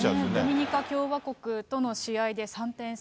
ドミニカ共和国との試合で３点差